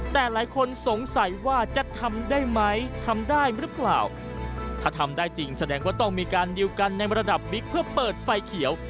แต่หลายคนสงสัยว่าจะทำได้ไหมทำได้หรือเปล่าถ้าทำได้จริงแสดงว่าต้องมีการดิวกันในระดับบิ๊กเพื่อเปิดไฟเขียว